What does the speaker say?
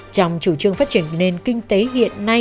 trong chủ trương phát triển của nền kinh tế hiện nay